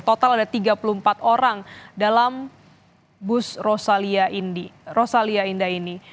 total ada tiga puluh empat orang dalam bus rosalia indah ini